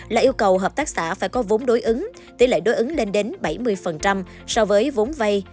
là yêu cầu hợp tác xã phải có vốn đối ứng tỷ lệ đối ứng lên đến bảy mươi so với vốn vay